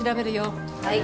はい。